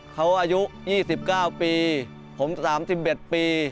เขาอายุ๒๙ปีผม๓๑ปี